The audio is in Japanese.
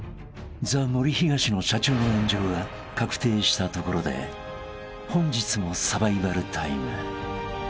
［ザ・森東の社長の炎上が確定したところで本日のサバイバルタイム］